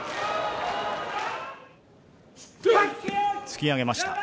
突き上げました。